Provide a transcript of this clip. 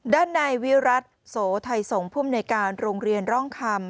ด้านในวิรัติโสไทยส่งผู้มนุยการโรงเรียนร่องคำ